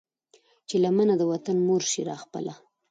چې لمنه د وطن مور شي را خپله